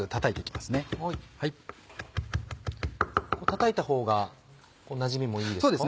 たたいたほうがなじみもいいですか？